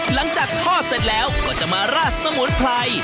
หลังจากทอดเสร็จแล้วก็จะมาราดสมุนไพร